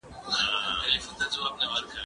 لاس د زهشوم له خوا مينځل کيږي؟!